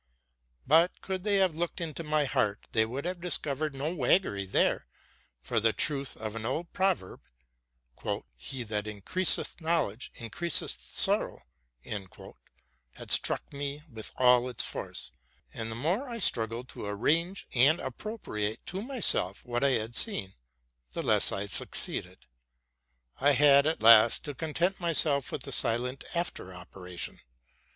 But, could they have looked into my heart, they would have discovered no waggery there; for the truth of that old proverb, '' He that increaseth knowledge increaseth sorrow,'' had struck me with all its force: and the more I struggled to arrange and appropriate to myself what I had seen, the less I succeeded. I had at last to content myself with a silent after operation.